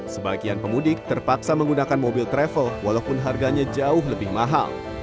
sebagian pemudik terpaksa menggunakan mobil travel walaupun harganya jauh lebih mahal